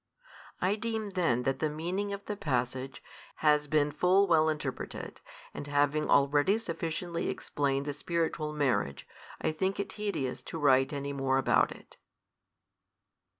I deem then that the meaning of the passage, has been full well interpreted: and having already sufficiently explained the spiritual marriage, I think it tedious to write any more about it.